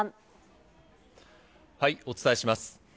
お伝えします。